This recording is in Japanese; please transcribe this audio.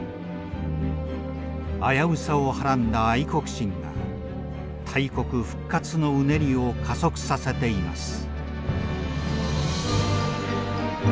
危うさをはらんだ愛国心が大国復活のうねりを加速させています。